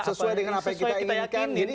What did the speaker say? sesuai dengan apa yang kita inginkan